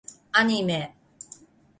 アニメ